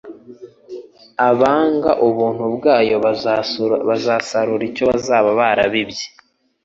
Abanga ubuntu bwayo bazasarura icyo bazaba barabibye.